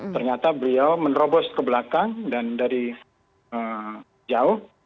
ternyata beliau menerobos ke belakang dan dari jauh